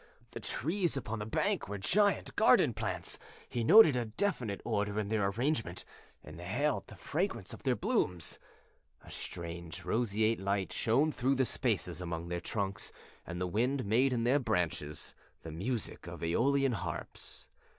The trees upon the bank were giant garden plants; he noted a definite order in their arrangement, inhaled the fragrance of their blooms. A strange, roseate light shone through the spaces among their trunks and the wind made in their branches the music of æolian harps.